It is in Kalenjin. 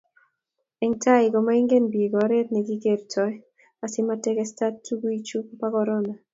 eng' tai ko maingen biik oret ne kikertoi asimatesaka tunguichu bo korona.